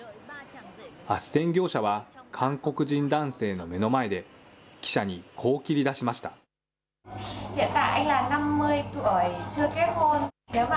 あっせん業者は、韓国人男性の目の前で、記者にこう切り出しました。